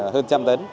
hơn trăm tấn